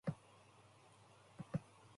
Who makes a noise on seeing a thief?